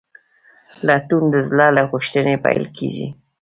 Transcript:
لټون د زړه له غوښتنې پیل کېږي.